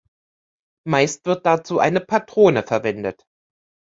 Meist wird dazu eine Patrone verwendet.